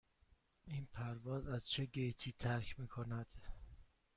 این پرواز از چه گیتی ترک می کند؟